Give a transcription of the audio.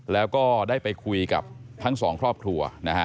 แล้วก็ได้ไปคุยกับทั้งสองครอบครัวนะฮะ